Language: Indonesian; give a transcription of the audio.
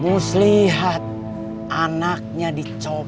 muslihat anaknya dicopet